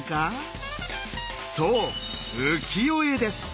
そう「浮世絵」です。